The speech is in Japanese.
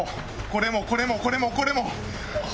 これもこれもこれもこれも！